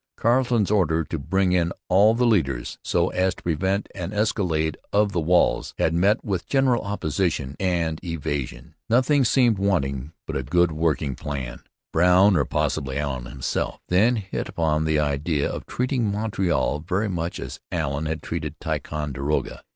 Carleton's order to bring in all the ladders, so as to prevent an escalade of the walls, had met with general opposition and evasion. Nothing seemed wanting but a good working plan. Brown, or possibly Allen himself, then hit upon the idea of treating Montreal very much as Allen had treated Ticonderoga.